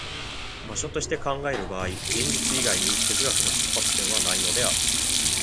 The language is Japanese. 場所として考える場合、現実以外に哲学の出発点はないのである。